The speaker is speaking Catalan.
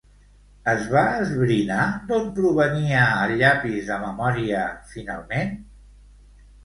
Es va esbrinar d'on provenia el llapis de memòria, finalment?